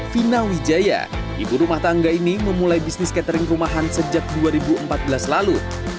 fina wijaya ibu rumah tangga ini memulai bisnis catering rumahan sejak dua ribu empat belas lalu